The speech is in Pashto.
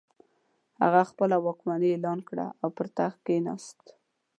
هغه خپله واکمني اعلان کړه او پر تخت کښېناست.